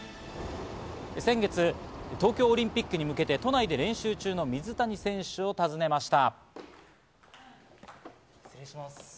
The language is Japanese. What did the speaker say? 先月、東京オリンピックに向けて都内で練習中の水谷選手を訪ねました。